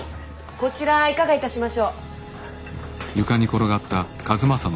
こちらはいかがいたしましょう？